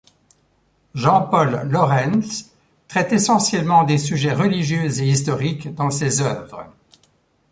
Jean-Paul Laurens traite essentiellement des sujets religieux et historiques dans ses œuvres.